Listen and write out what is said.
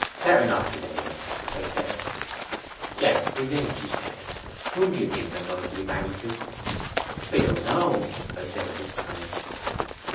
'"Better not to day, miss," I said. '"Yes, we will," she said. "Whom do you think I am going to be married to?" '"I don't know," I said this time.